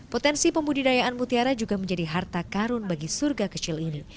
potensi pembudidayaan mutiara juga menjadi harta karun bagi surga kecil ini